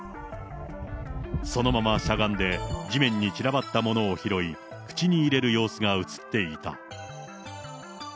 そのまましゃがんで、地面に散らばったものを拾い、口に入れる様子が写っていた。